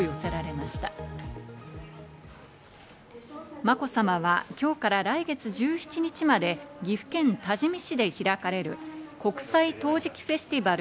まこさまは今日から来月１７日まで岐阜県多治見市で開かれる国際陶磁器フェスティバル